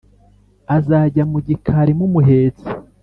azajya mu gikari mumuhetse,